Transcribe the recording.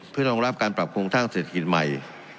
เพื่อรองรับการปรับโครงสร้างเศรษฐกิจใหม่